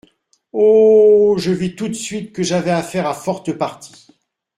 Oh ! je vis tout de suite que j’avais affaire à forte partie…